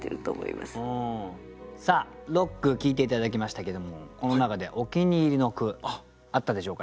さあ六句聞いて頂きましたけどもこの中でお気に入りの句あったでしょうかね。